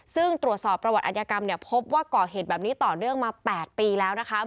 ซึ่งตรวจสอบประวัติอัธยกรรมเนี่ยพบว่าก่อเหตุแบบนี้ต่อเนื่องมา๘ปีแล้วนะคะ